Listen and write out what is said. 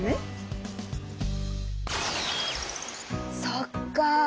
そっか。